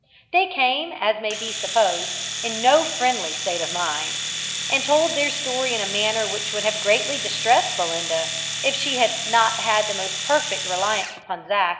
They came, as may be supposed, in no very friendly state of mind, and told their story in a manner which would have greatly distressed Belinda, if she had not had the most perfect reliance upon Zac.